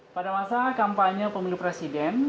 pada masa kampanye pemilu presiden